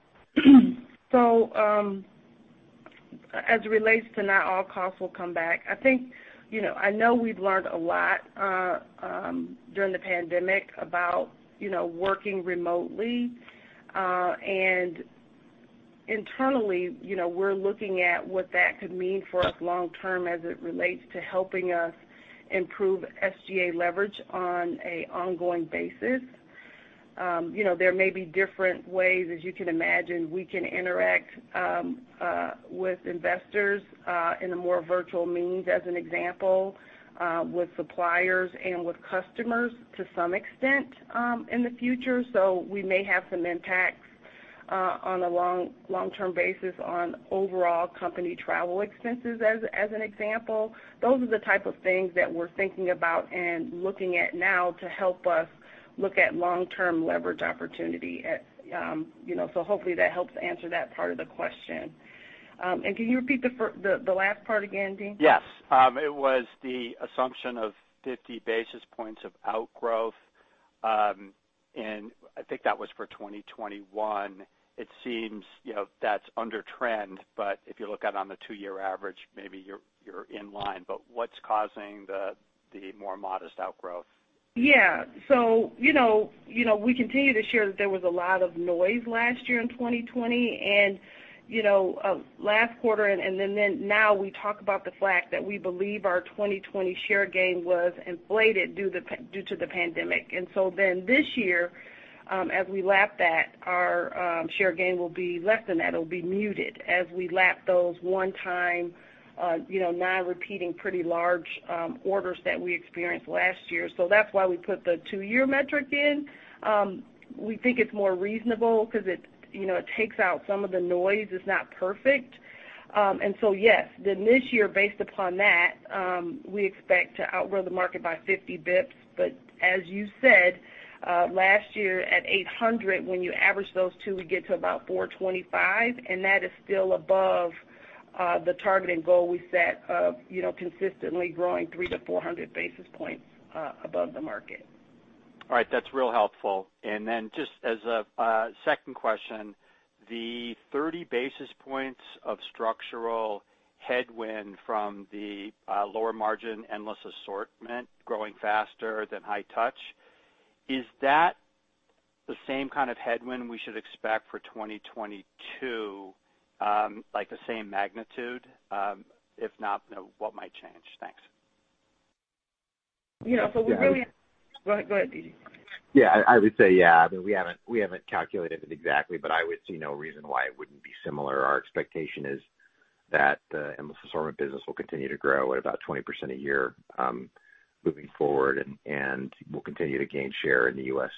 As it relates to not all costs will come back, I know we've learned a lot during the pandemic about working remotely. Internally, we're looking at what that could mean for us long term as it relates to helping us improve SG&A leverage on a ongoing basis. There may be different ways, as you can imagine, we can interact with investors in a more virtual means, as an example, with suppliers and with customers to some extent, in the future. We may have some impacts on a long-term basis on overall company travel expenses, as an example. Those are the type of things that we're thinking about and looking at now to help us look at long-term leverage opportunity. Hopefully that helps answer that part of the question. Can you repeat the last part again, Deane? Yes. It was the assumption of 50 basis points of outgrowth. I think that was for 2021. It seems that's under trend. If you look out on the two-year average, maybe you're in line. What's causing the more modest outgrowth? Yeah. We continue to share that there was a lot of noise last year in 2020 and last quarter. Now we talk about the fact that we believe our 2020 share gain was inflated due to the pandemic. This year, as we lap that, our share gain will be less than that. It'll be muted as we lap those one-time, non-repeating pretty large orders that we experienced last year. That's why we put the two-year metric in. We think it's more reasonable because it takes out some of the noise. It's not perfect. Yes, this year, based upon that, we expect to outgrow the market by 50 basis points. As you said, last year at 800, when you average those two, we get to about 425, and that is still above the target and goal we set of consistently growing three to 400 basis points above the market. All right. That's real helpful. Just as a second question, the 30 basis points of structural headwind from the lower margin Endless Assortment growing faster than High-Touch, is that the same kind of headwind we should expect for 2022, like the same magnitude? If not, what might change? Thanks. So we really- Yeah. Go ahead, DG. I would say yeah. I mean, we haven't calculated it exactly, I would see no reason why it wouldn't be similar. Our expectation is that the Endless Assortment business will continue to grow at about 20% a year, moving forward, and we'll continue to gain share in the U.S.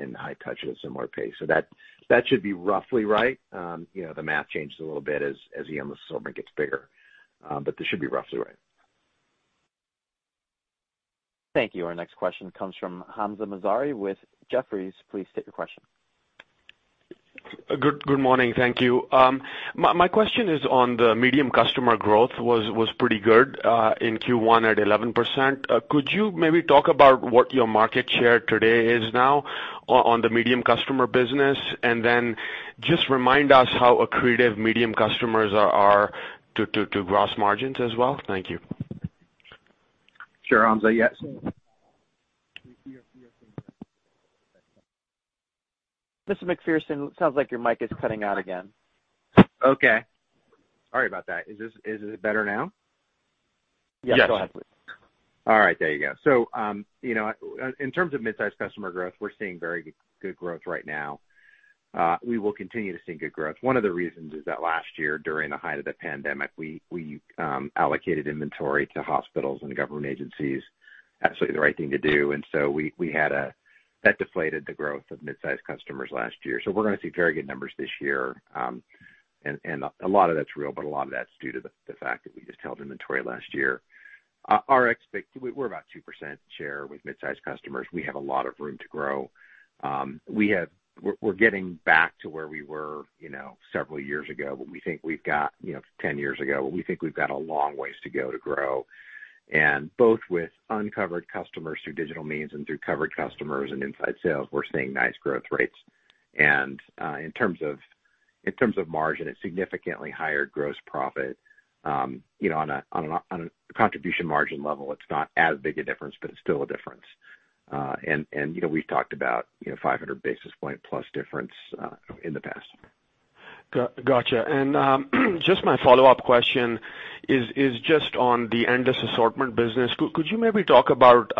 in High-Touch at a similar pace. That should be roughly right. The math changes a little bit as the Endless Assortment gets bigger. This should be roughly right. Thank you. Our next question comes from Hamzah Mazari with Jefferies. Please state your question. Good morning. Thank you. My question is on the medium customer growth, was pretty good in Q1 at 11%. Could you maybe talk about what your market share today is now on the medium customer business? Just remind us how accretive medium customers are to gross margins as well. Thank you. Sure, Hamzah. Yes. Mr. Macpherson, sounds like your mic is cutting out again. Okay. Sorry about that. Is it better now? Yes, go ahead please. All right. There you go. In terms of midsize customer growth, we're seeing very good growth right now. We will continue to see good growth. One of the reasons is that last year during the height of the pandemic, we allocated inventory to hospitals and government agencies. Absolutely the right thing to do. That deflated the growth of midsize customers last year. We're going to see very good numbers this year. And a lot of that's real, but a lot of that's due to the fact that we just held inventory last year. We're about 2% share with mid-size customers. We have a lot of room to grow. We're getting back to where we were several years ago, but we think we've got 10 years ago. We think we've got a long way to go to grow. Both with uncovered customers through digital means and through covered customers and inside sales, we're seeing nice growth rates. In terms of margin, it's significantly higher gross profit. On a contribution margin level, it's not as big a difference, but it's still a difference. We've talked about 500 basis point plus difference in the past. Got you. Just my follow-up question is just on the Endless Assortment business. Could you maybe talk about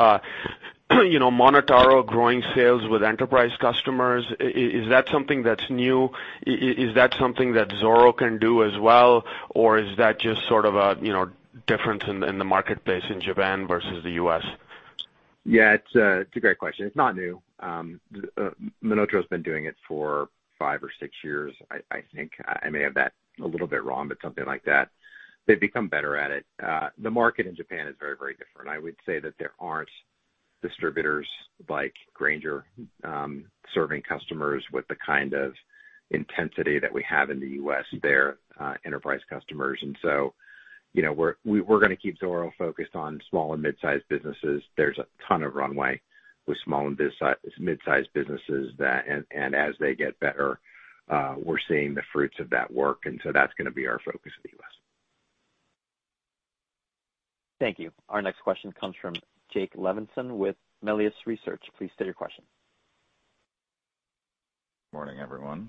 MonotaRO growing sales with enterprise customers? Is that something that's new? Is that something that Zoro can do as well, or is that just sort of a difference in the marketplace in Japan versus the U.S.? Yeah, it's a great question. It's not new. MonotaRO's been doing it for five or six years, I think. I may have that a little bit wrong, but something like that. They've become better at it. The market in Japan is very, very different. I would say that there aren't distributors like Grainger serving customers with the kind of intensity that we have in the U.S., their enterprise customers. We're going to keep Zoro focused on small and mid-sized businesses. There's a ton of runway with small and mid-sized businesses. As they get better, we're seeing the fruits of that work, that's going to be our focus in the U.S. Thank you. Our next question comes from Jake Levinson with Melius Research. Please state your question. Morning, everyone. Morning.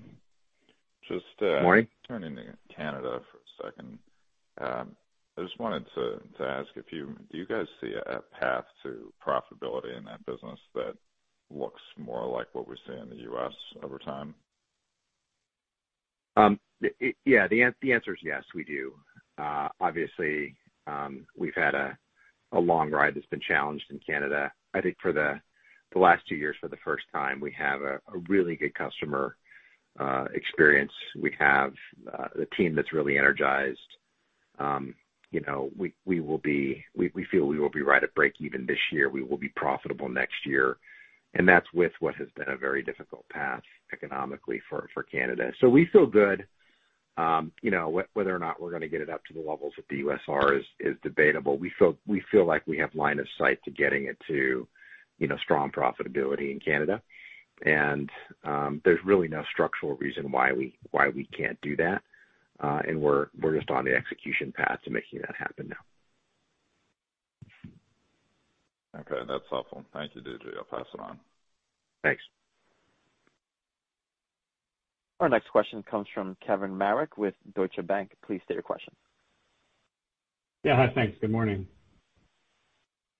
Just turning to Canada for a second. I just wanted to ask, do you guys see a path to profitability in that business that looks more like what we see in the U.S. over time? The answer is yes, we do. Obviously, we've had a long ride that's been challenged in Canada. I think for the last two years, for the first time, we have a really good customer experience. We have a team that's really energized. We feel we will be right at breakeven this year. We will be profitable next year, and that's with what has been a very difficult path economically for Canada. We feel good. Whether or not we're going to get it up to the levels that the U.S. are is debatable. We feel like we have line of sight to getting it to strong profitability in Canada. There's really no structural reason why we can't do that. We're just on the execution path to making that happen now. Okay. That's helpful. Thank you, DG I'll pass it on. Thanks. Our next question comes from Kevin Marek with Deutsche Bank. Please state your question. Yeah. Hi. Thanks. Good morning.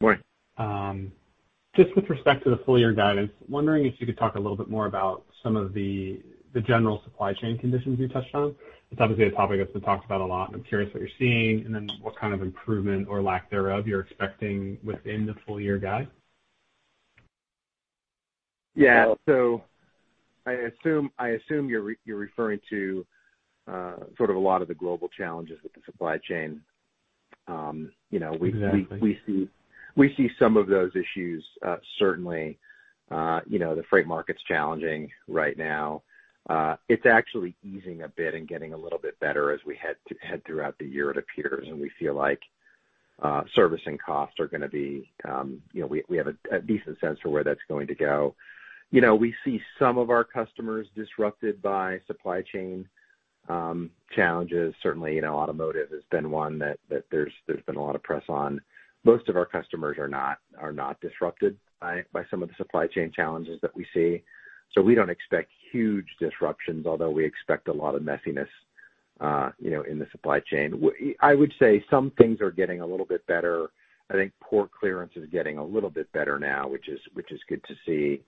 Morning. Just with respect to the full year guidance, wondering if you could talk a little bit more about some of the general supply chain conditions you touched on. It's obviously a topic that's been talked about a lot. I'm curious what you're seeing and then what kind of improvement or lack thereof you're expecting within the full year guide. Yeah. I assume you're referring to sort of a lot of the global challenges with the supply chain. Exactly. We see some of those issues certainly. The freight market's challenging right now. It's actually easing a bit and getting a little bit better as we head throughout the year, it appears, and we feel like we have a decent sense for where that's going to go. We see some of our customers disrupted by supply chain challenges. Certainly, automotive has been one that there's been a lot of press on. Most of our customers are not disrupted by some of the supply chain challenges that we see. We don't expect huge disruptions, although we expect a lot of messiness in the supply chain. I would say some things are getting a little bit better. I think port clearance is getting a little bit better now, which is good to see.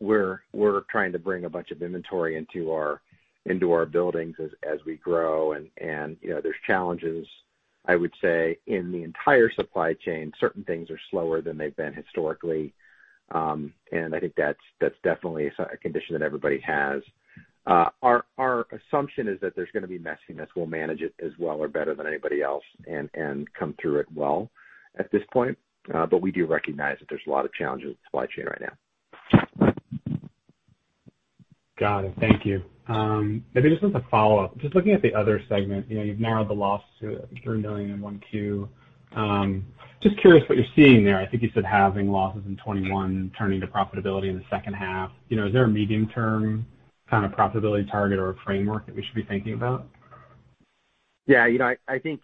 We're trying to bring a bunch of inventory into our buildings as we grow, and there's challenges, I would say, in the entire supply chain. Certain things are slower than they've been historically. I think that's definitely a condition that everybody has. Our assumption is that there's going to be messiness. We'll manage it as well or better than anybody else and come through it well at this point. We do recognize that there's a lot of challenges with supply chain right now. As a follow-up, just looking at the other segment, you've narrowed the loss to $3 million in 1Q. Just curious what you're seeing there. I think you said halving losses in 2021, turning to profitability in the second half. Is there a medium-term kind of profitability target or a framework that we should be thinking about? Yeah. I think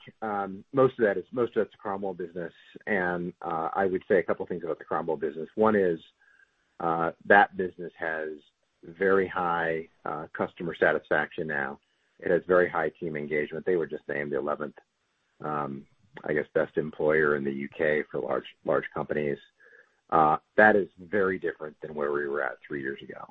most of that's Cromwell business, and I would say a couple of things about the Cromwell business. One is, that business has very high customer satisfaction now. It has very high team engagement. They were just named the 11th, I guess, best employer in the U.K. for large companies. That is very different than where we were at three years ago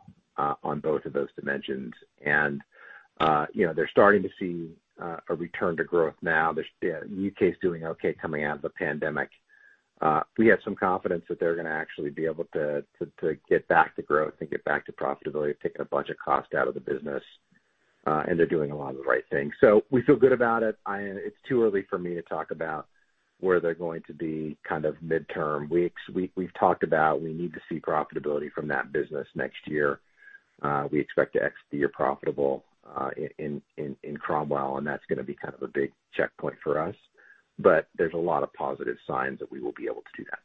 on both of those dimensions. They're starting to see a return to growth now. The U.K.'s doing okay coming out of the pandemic. We have some confidence that they're going to actually be able to get back to growth and get back to profitability, taking a bunch of cost out of the business. They're doing a lot of the right things. We feel good about it. It's too early for me to talk about where they're going to be midterm. We've talked about we need to see profitability from that business next year. We expect to exit the year profitable in Cromwell. That's going to be kind of a big checkpoint for us. There's a lot of positive signs that we will be able to do that.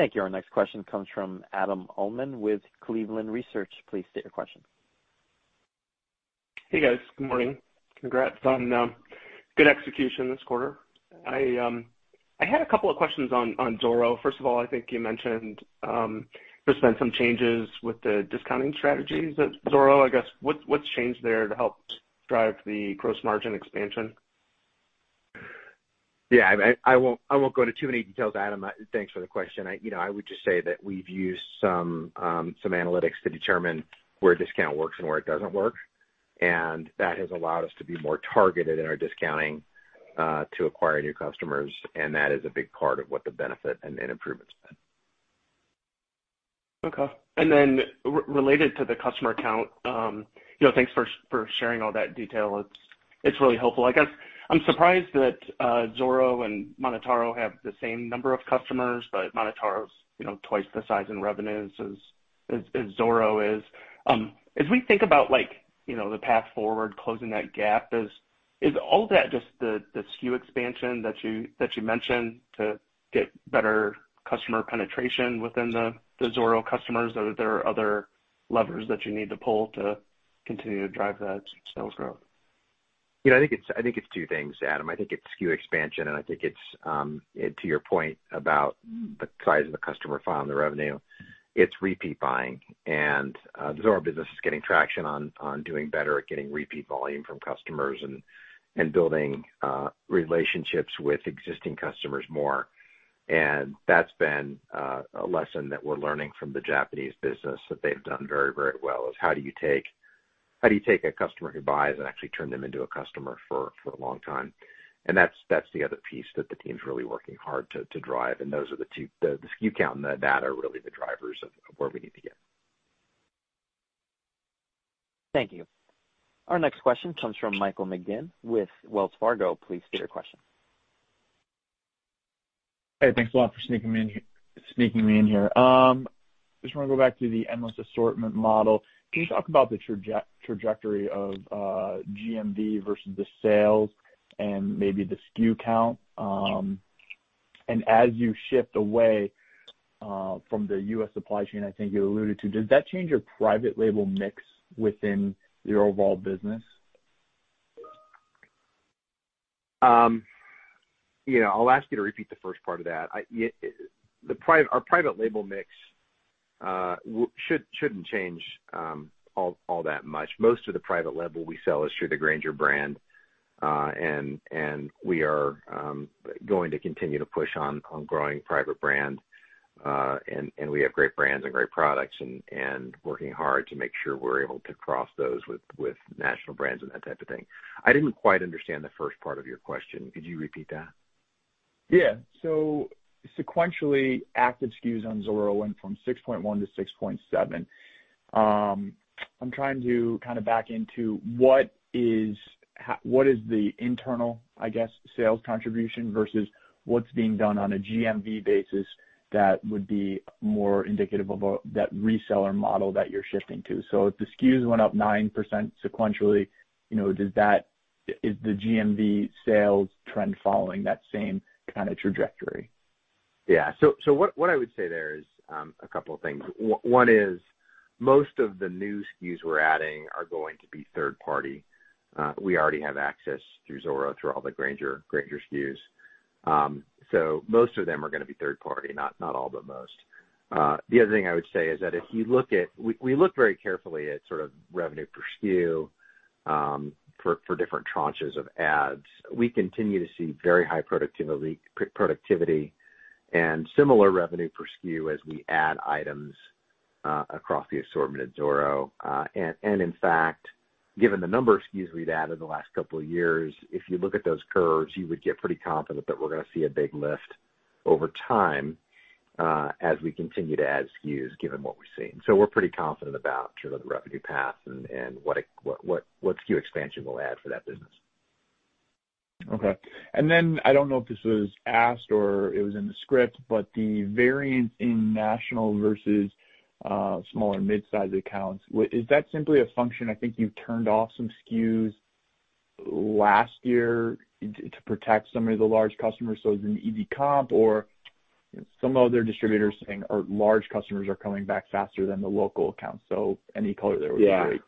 Thank you. Our next question comes from Adam Uhlman with Cleveland Research. Please state your question. Hey, guys. Good morning. Congrats on good execution this quarter. I had a couple of questions on Zoro. First of all, I think you mentioned there's been some changes with the discounting strategies at Zoro. I guess, what's changed there to help drive the gross margin expansion? Yeah, I won't go into too many details, Adam. Thanks for the question. I would just say that we've used some analytics to determine where a discount works and where it doesn't work, and that has allowed us to be more targeted in our discounting to acquire new customers, and that is a big part of what the benefit and improvements have been. Okay. Related to the customer count, thanks for sharing all that detail. It's really helpful. I guess I'm surprised that Zoro and MonotaRO have the same number of customers, but MonotaRO's twice the size in revenues as Zoro is. As we think about the path forward, closing that gap, is all that just the SKU expansion that you mentioned to get better customer penetration within the Zoro customers? Are there other levers that you need to pull to continue to drive that sales growth? I think it's two things, Adam. I think it's SKU expansion, and I think it's, to your point about the size of the customer file and the revenue, it's repeat buying. The Zoro business is getting traction on doing better at getting repeat volume from customers and building relationships with existing customers more. That's been a lesson that we're learning from the Japanese business that they've done very, very well, is how do you take a customer who buys and actually turn them into a customer for a long time. That's the other piece that the team's really working hard to drive. Those are the two, the SKU count and the data are really the drivers of where we need to get. Thank you. Our next question comes from Michael McGinn with Wells Fargo. Please state your question. Hey, thanks a lot for sneaking me in here. Just want to go back to the Endless Assortment model. Can you talk about the trajectory of GMV versus the sales and maybe the SKU count? As you shift away from the U.S. supply chain, I think you alluded to, does that change your private label mix within the overall business? I'll ask you to repeat the first part of that. Our private label mix shouldn't change all that much. Most of the private label we sell is through the Grainger brand. We are going to continue to push on growing private brand. We have great brands and great products and working hard to make sure we're able to cross those with national brands and that type of thing. I didn't quite understand the first part of your question. Could you repeat that? Yeah. Sequentially, active SKUs on Zoro went from 6.1 to 6.7. I'm trying to kind of back into what is the internal, I guess, sales contribution versus what's being done on a GMV basis that would be more indicative of that reseller model that you're shifting to. If the SKUs went up 9% sequentially, is the GMV sales trend following that same kind of trajectory? Yeah. What I would say there is a couple of things. One is most of the new SKUs we're adding are going to be third party. We already have access through Zoro, through all the Grainger SKUs. Most of them are going to be third party, not all, but most. The other thing I would say is that We look very carefully at sort of revenue per SKU, for different tranches of ads. We continue to see very high productivity and similar revenue per SKU as we add items across the assortment at Zoro. In fact, given the number of SKUs we've added in the last couple of years, if you look at those curves, you would get pretty confident that we're going to see a big lift over time as we continue to add SKUs, given what we're seeing. We're pretty confident about sort of the revenue path and what SKU expansion will add for that business. Okay. I don't know if this was asked or it was in the script, but the variance in national versus small or mid-size accounts, is that simply a function, I think you turned off some SKUs last year to protect some of the large customers, so it was an easy comp, or some other distributors saying, or large customers are coming back faster than the local accounts. Any color there would be great.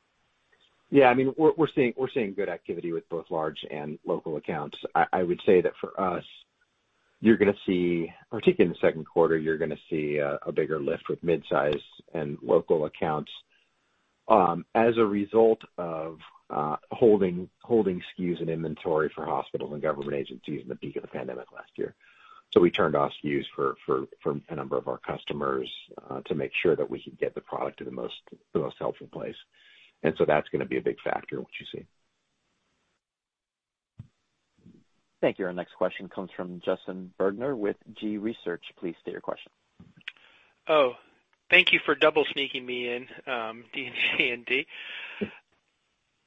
Yeah. I mean, we're seeing good activity with both large and local accounts. I would say that for us, you're going to see, particularly in the second quarter, you're going to see a bigger lift with mid-size and local accounts as a result of holding SKUs and inventory for hospitals and government agencies in the peak of the pandemic last year. We turned off SKUs for a number of our customers to make sure that we could get the product to the most helpful place. That's going to be a big factor in what you see. Thank you. Our next question comes from Justin Bergner with G Research. Please state your question. Oh, thank you for double sneaking me in, DG and Dee.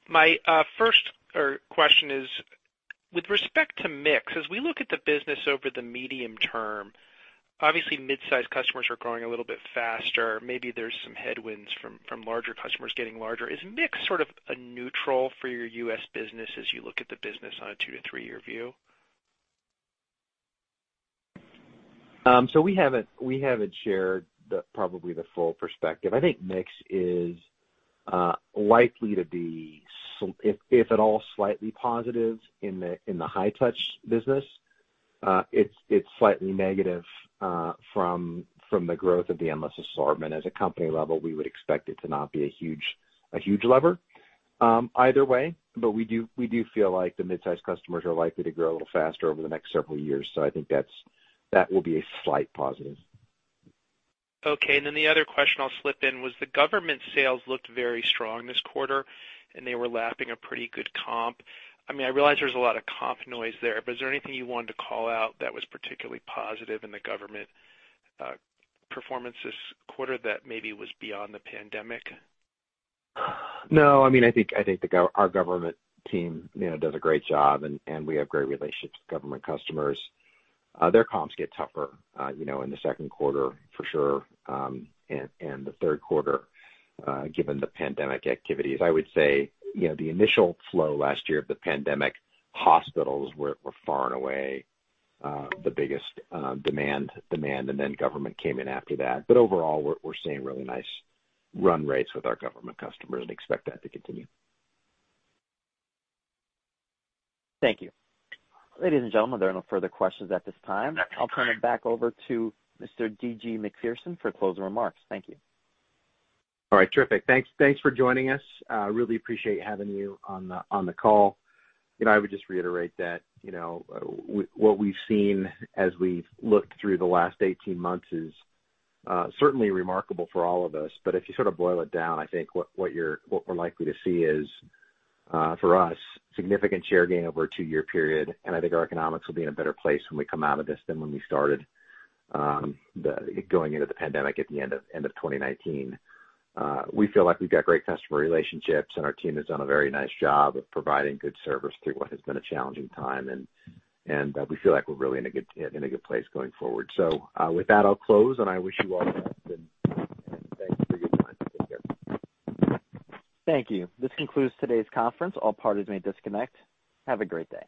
My first question is, with respect to mix, as we look at the business over the medium term, obviously mid-size customers are growing a little bit faster. Maybe there's some headwinds from larger customers getting larger. Is mix sort of a neutral for your U.S. business as you look at the business on a two to three-year view? We haven't shared probably the full perspective. I think mix is likely to be, if at all, slightly positive in the High-Touch business. It's slightly negative from the growth of the Endless Assortment. At a company level, we would expect it to not be a huge lever either way. We do feel like the mid-size customers are likely to grow a little faster over the next several years. I think that will be a slight positive. Okay. The other question I'll slip in was the government sales looked very strong this quarter, and they were lapping a pretty good comp. I realize there's a lot of comp noise there, but is there anything you wanted to call out that was particularly positive in the government performance this quarter that maybe was beyond the pandemic? No. I think our government team does a great job, and we have great relationships with government customers. Their comps get tougher in the second quarter for sure, and the third quarter given the pandemic activities. I would say, the initial flow last year of the pandemic, hospitals were far and away the biggest demand, and then government came in after that. Overall, we're seeing really nice run rates with our government customers and expect that to continue. Thank you. Ladies and gentlemen, there are no further questions at this time. I'll turn it back over to Mr. DG Macpherson for closing remarks. Thank you. All right. Terrific. Thanks for joining us. Really appreciate having you on the call. I would just reiterate that what we've seen as we've looked through the last 18 months is certainly remarkable for all of us. If you sort of boil it down, I think what we're likely to see is, for us, significant share gain over a two-year period, and I think our economics will be in a better place when we come out of this than when we started going into the pandemic at the end of 2019. We feel like we've got great customer relationships, and our team has done a very nice job of providing good service through what has been a challenging time, and we feel like we're really in a good place going forward. With that, I'll close, and I wish you all the best, and thanks for your time. Take care. Thank you. This concludes today's conference. All parties may disconnect. Have a great day.